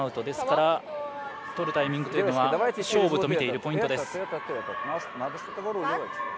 ですからとるタイミングというのは勝負と見ているポイントです。